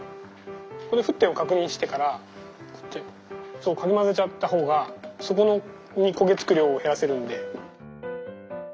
ここで沸点を確認してからこうやってかきまぜちゃった方が底に焦げつく量を減らせるんで。